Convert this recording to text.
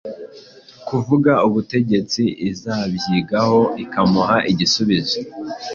kuvuga ubutegetsi izabyigaho ikamuha igisubizo.